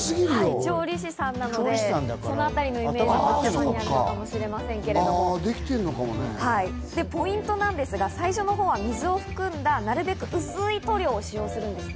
調理師さんなので、そのあたりは頭に入ってるのかもしれませんが、ポイントなんですが、最初のほうは水を含んだ、なるべく薄い塗料を使用するんですって。